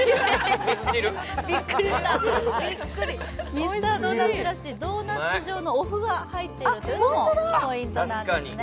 ミスタードーナツらしいドーナツ状のおふが入ってるのがポイントなんですね。